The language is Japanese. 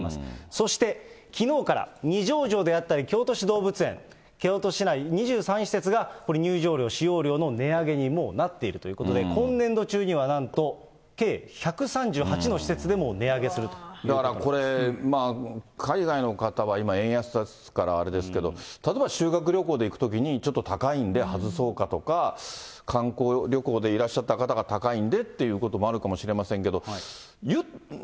そして、きのうから二条城であったり京都市動物園、京都市内２３施設が、これ、入場料、使用料の値上げにもうなっているということで、今年度中にはなんと、計１３８の施設で値上げするというこだからこれ、海外の方は今、円安ですから、あれですけど、例えば修学旅行で行くときにちょっと高いんで外そうかとか、観光旅行でいらっしゃった方が、高いんでということもあるかもしれませんけど。